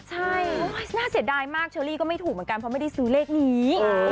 ใช่น่าเสียดายมากเชอรี่ก็ไม่ถูกเหมือนกันเพราะไม่ได้ซื้อเลขนี้